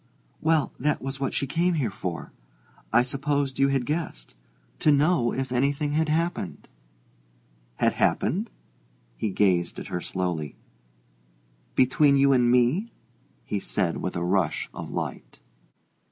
"Well, that was what she came here for: I supposed you had guessed. To know if anything had happened." "Had happened?" He gazed at her slowly. "Between you and me?" he said with a rush of light.